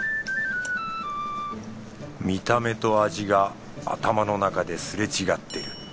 見た目と味が頭の中ですれ違っている。